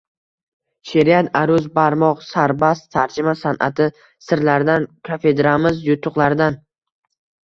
She’riyat, aruz, barmoq, sarbast, tarjima san’ati sirlaridan, kafedramiz yutuqlaridan